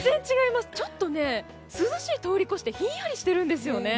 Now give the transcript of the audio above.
ちょっと涼しいを通り越してひんやりしてるんですよね。